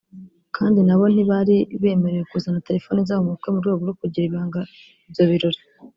Kandi na bo ntibari bemerewe kuzana terefone zabo mu bukwe mu rwego rwo kugira ibanga ibyo birori